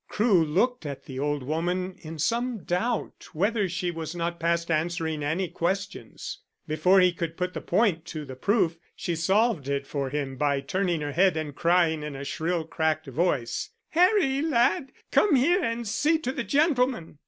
Crewe looked at the old woman in some doubt whether she was not past answering any questions. Before he could put the point to the proof she solved it for him by turning her head and crying in a shrill cracked voice: "Harry, lad, come here and see to the gentleman."